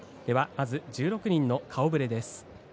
まず１６人の顔ぶれです。